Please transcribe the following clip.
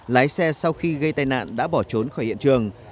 lái xe sau khi gây tai nạn đã bỏ trốn khỏi hiện trường